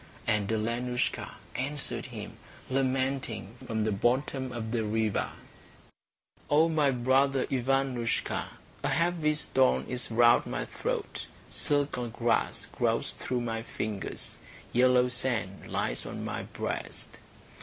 And Alenoushka answered him, lamenting, from the bottom of the river: "O my brother Ivanoushka, A heavy stone is round my throat, Silken grass grows through my fingers, Yellow sand lies on my breast."